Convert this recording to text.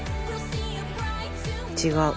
違う。